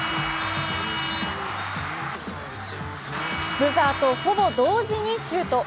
ブザーとほぼ同時にシュート。